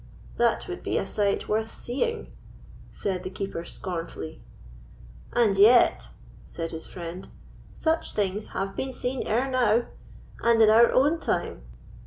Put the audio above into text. "That would be a sight worth seeing," said the Keeper, scornfully. "And yet," said his friend, "such things have been seen ere now, and in our own time.